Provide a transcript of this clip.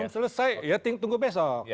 selesai ya tunggu besok